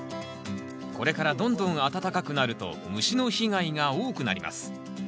これからどんどん暖かくなると虫の被害が多くなります。